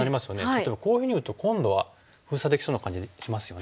例えばこういうふうに打つと今度は封鎖できそうな感じしますよね。